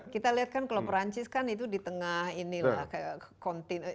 kita lihat kan kalau prancis kan itu di tengah ini lah